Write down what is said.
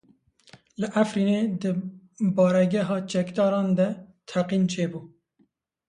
Li Efrînê di baregeha çekdaran de teqîn çêbû.